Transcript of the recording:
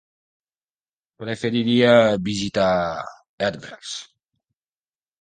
Preferiria visitar Herbers.